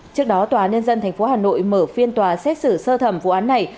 trước đó tòa nhân dân tp hà nội mở phiên tòa xét xử sơ thẩm vụ án này